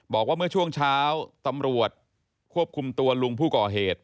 บอกว่าเมื่อช่วงเช้าตำรวจควบคุมตัวลุงผู้ก่อเหตุ